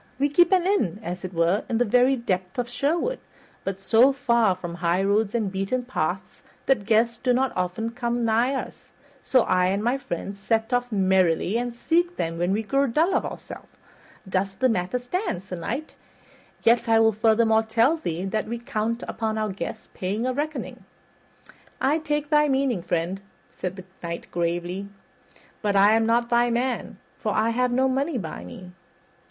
We keep an inn, as it were, in the very depths of Sherwood, but so far from highroads and beaten paths that guests do not often come nigh us; so I and my friends set off merrily and seek them when we grow dull of ourselves. Thus the matter stands, Sir Knight; yet I will furthermore tell thee that we count upon our guests paying a reckoning." "I take thy meaning, friend," said the Knight gravely, "but I am not thy man, for I have no money by me."